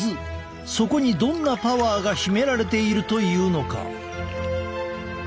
そこにどんなパワーが秘められているというのか？